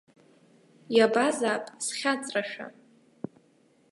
Иабазаап схьаҵрашәа.